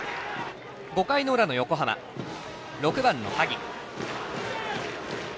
５回の裏、横浜６番の萩。